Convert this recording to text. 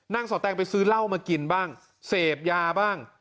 นางสาวแตงไปซื้อเหล้ามากินบ้างเสพยาบ้าง